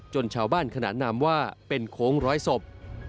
ชาวบ้านขนานนามว่าเป็นโค้งร้อยศพ